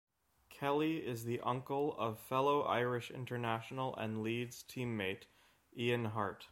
Kelly is the uncle of fellow Irish international and Leeds teammate Ian Harte.